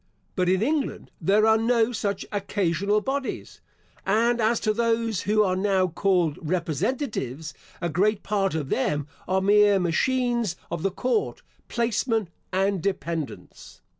But in England there are no such occasional bodies; and as to those who are now called Representatives, a great part of them are mere machines of the court, placemen, and dependants.